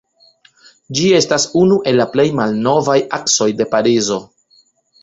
Ĝi estas unu el la plej malnovaj aksoj de Parizo.